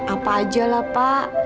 apa aja lah pak